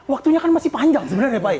waktunya kan masih panjang sebenernya pak ya